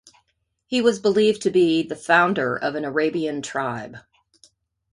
He was believed to be the founder of an Arabian tribe.